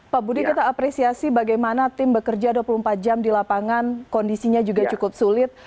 pak budi kita apresiasi bagaimana tim bekerja dua puluh empat jam di lapangan kondisinya juga cukup sulit